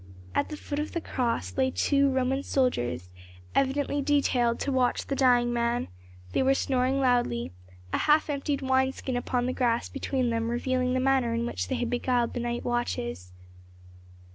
At the foot of the cross lay two Roman soldiers, evidently detailed to watch the dying man; they were snoring loudly, a half emptied wine skin upon the grass between them revealing the manner in which they had beguiled the night watches.